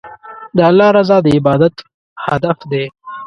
د الله رضا د عبادت هدف دی.